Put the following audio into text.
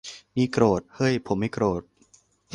นี่โกรธ - เฮ้ย ผมไม่โกรธ !